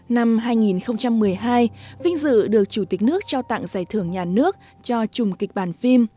năm hai nghìn một mươi hai vinh dự được chủ tịch nước trao tặng giải thưởng nhà nước cho chùm kịch bản phim